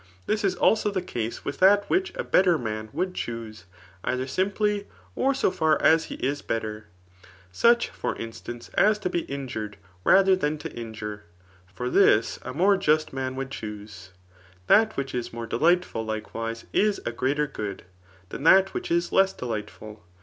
This is also the case with that which a better man would chuse, either simply, or so far as he is better ; such, for instance, as to be injured rather than to injure ; for this a more just man would chuse. That which is more delightful, likewise, [Is a greater goodj than that which is less delightful.